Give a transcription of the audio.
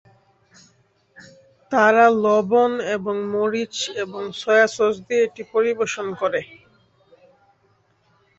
তারা লবণ এবং মরিচ এবং সয়া সস দিয়ে এটি পরিবেশন করে।